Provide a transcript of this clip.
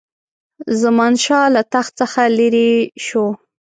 زمانشاه له تخت څخه لیري شو.